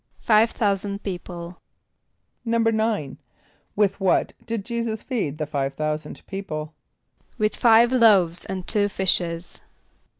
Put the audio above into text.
=Five thousand people.= =9.= With what did J[=e]´[s+]us feed the five thousand people? =With five loaves and two fishes.